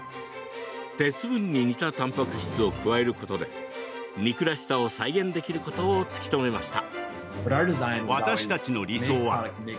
鉄分に似たたんぱく質を加えることで肉らしさを再現できることを突き止めました。